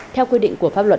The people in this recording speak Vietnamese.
theo quyết định của pháp luật